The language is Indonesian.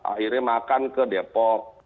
akhirnya makan ke depok